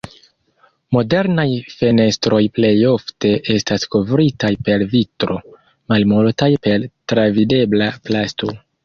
Modernaj fenestroj plejofte estas kovritaj per vitro; malmultaj per travidebla plasto.